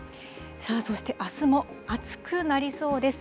そしてあすも暑くなりそうです。